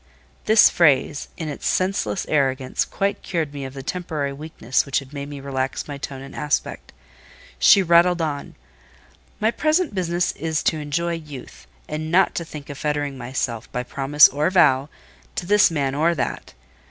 This phrase, in its senseless arrogance, quite cured me of the temporary weakness which had made me relax my tone and aspect. She rattled on: "My present business is to enjoy youth, and not to think of fettering myself, by promise or vow, to this man or that.